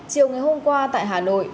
chiều ngày hôm qua tại hà nội